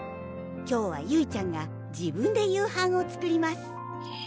今日はゆいちゃんが自分で夕飯を作ります